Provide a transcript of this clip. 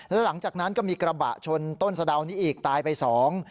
แล้วหลังจากนั้นก็มีกระบะชนต้นสะดาวนี้อีกตายไปสอง